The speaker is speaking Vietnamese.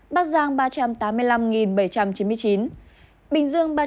bắc giang ba trăm tám mươi năm bảy trăm chín mươi chín bình dương ba trăm tám mươi ba năm trăm một mươi bảy